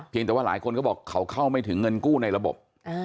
แต่ว่าหลายคนก็บอกเขาเข้าไม่ถึงเงินกู้ในระบบ